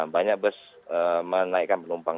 banyak bus menaikkan penumpang